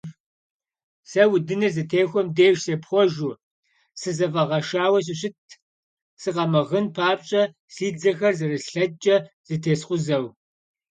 Сэ удыныр зытехуэм деж сепхъуэжу, сызэфӀэгъэшауэ сыщытт, сыкъэмыгъын папщӀэ си дзэхэр зэрыслъэкӀкӀэ зэтескъузэу.